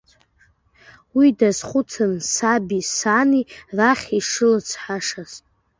Уи дазхәыцрын саби сани рахь ишылыцҳашаз.